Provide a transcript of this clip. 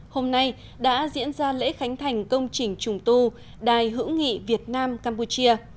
hôm nay đã diễn ra lễ khánh thành công trình trùng tu đài hữu nghị việt nam campuchia